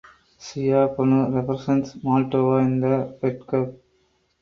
Ciobanu represents Moldova in the Fed Cup.